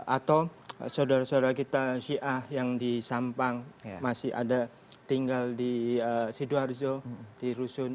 atau saudara saudara kita syiah yang di sampang masih ada tinggal di sidoarjo di rusun